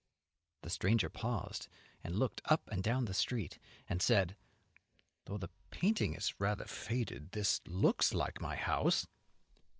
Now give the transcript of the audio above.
The stranger paused, and looked up and down the street and said, "Though the painting is rather faded, this looks like my house."